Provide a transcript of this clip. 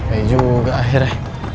sampai juga akhirnya